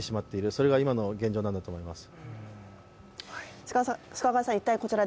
それが今の現状なんだと思います。